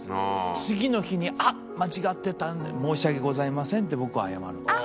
次の日にあっ間違ってた「申し訳ございません」って僕は謝るんです。